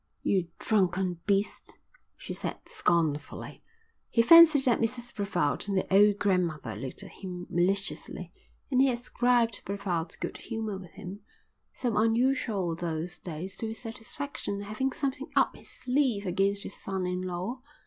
"You drunken beast," she said, scornfully. He fancied that Mrs Brevald and the old grandmother looked at him maliciously and he ascribed Brevald's good humour with him, so unusual those days, to his satisfaction at having something up his sleeve against his son in law.